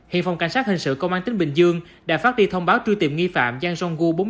hiện phòng cảnh sát hình sự công an tính bình dương đã phát đi thông báo truy tìm nghi phạm giang jong gu